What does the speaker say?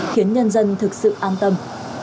khiến nhân dân thực sự an tâm